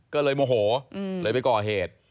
ก็เลยโมโหเลยไปก่อเหตุ